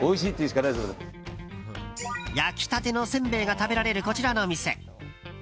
焼きたてのせんべいが食べられる、こちらの店。